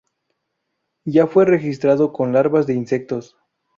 Ya fue registrado con larvas de insectos.